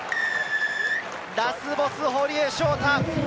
ラスボス・堀江翔太！